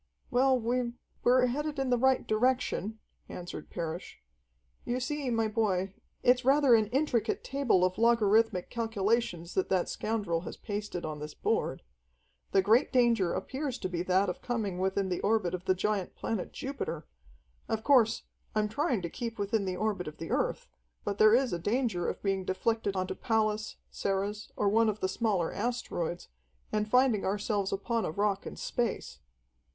"Well, we we're headed in the right direction," answered Parrish. "You see, my boy, it's rather an intricate table of logarithmic calculations that that scoundrel has pasted on this board. The great danger appears to be that of coming within the orbit of the giant planet Jupiter. Of course, I'm trying to keep within the orbit of the Earth, but there is a danger of being deflected onto Pallas, Ceres, or one of the smaller asteroids, and finding ourselves upon a rock in space."